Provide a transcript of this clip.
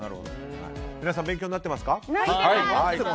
皆さん勉強になってますか。